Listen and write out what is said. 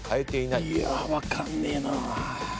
いや分かんねえな。